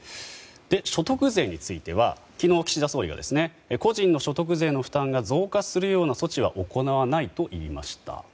所得税については昨日、岸田総理が個人の所得税の負担が増加するような措置は行わないと言いました。